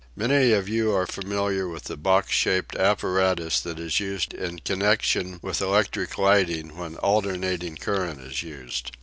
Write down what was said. Many of you are familiar with the box shaped apparatus that is used in connection with electric lighting when the alternating current is used.